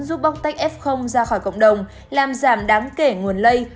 giúp bóc tách f ra khỏi cộng đồng làm giảm đáng kể nguồn lây